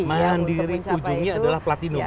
mandiri ujungnya adalah platinum